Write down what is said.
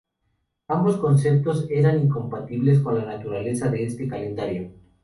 Ambos conceptos eran incompatibles con la naturaleza de este calendario.